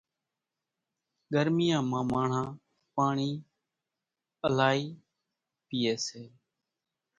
ڳرميان مان ماڻۿان پاڻِي لائِي پيئيَ سي۔